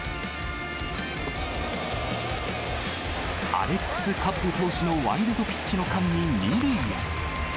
アレックス・カッブ投手のワイルドピッチの間に２塁へ。